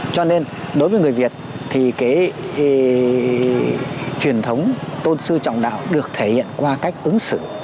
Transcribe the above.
cho nên đối với người việt thì cái truyền thống tôn sư trọng đạo được thể hiện qua cách ứng xử